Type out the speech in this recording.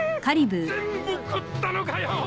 全部食ったのかよ！？